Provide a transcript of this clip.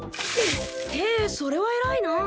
へえそれは偉いな。